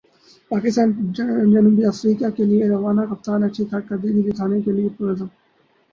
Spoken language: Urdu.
پاکستان ٹیم جنوبی افریقہ کیلئے روانہ کپتان اچھی کارکردگی کیلئے پر عزم